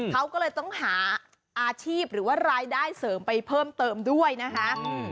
เขาก็เลยต้องหาอาชีพหรือว่ารายได้เสริมไปเพิ่มเติมด้วยนะคะ